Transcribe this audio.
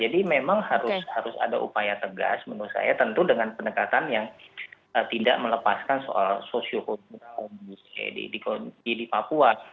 jadi memang harus ada upaya tegas menurut saya tentu dengan pendekatan yang tidak melepaskan soal sosiokultural di papua